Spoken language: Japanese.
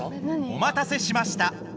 ・おまたせしました！